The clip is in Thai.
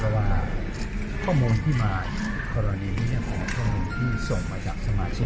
กระวังข้อมูลที่มาข้อมูลที่ส่งมาจากสมาชิน